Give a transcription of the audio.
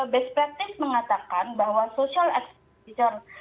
bespektif mengatakan bahwa social expenditure